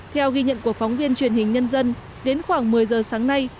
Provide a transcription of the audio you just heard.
theo ghi nhận của phóng viên truyền hình nhân dân đến khoảng một mươi giờ sáng nay